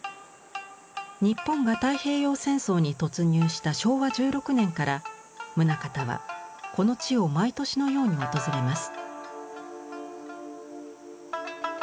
日本が太平洋戦争に突入した昭和１６年から棟方はこの地を毎年のように訪れます。